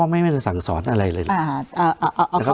ไม่ได้สั่งสอนอะไรเลยนะ